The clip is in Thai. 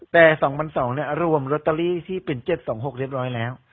แต่สองพันสองเนี้ยรวมรอเตอรี่ที่เป็นเจ็ดสองหกเรียบร้อยแล้ว